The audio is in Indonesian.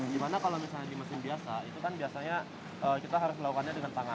gimana kalau misalnya di mesin biasa itu kan biasanya kita harus melakukannya dengan tangan